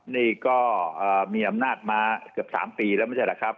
นี่ก็มีอำนาจมาเกือบ๓ปีแล้วไม่ใช่แหละครับ